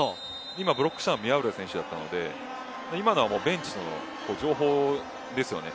今ブロックしたのは宮浦選手だったので今のはベンチの情報ですよね。